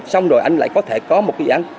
xong rồi anh lại có thể có một cái dự án